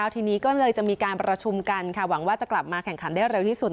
ทีนี้ก็เลยจะมีการประชุมกันค่ะหวังว่าจะกลับมาแข่งขันได้เร็วที่สุด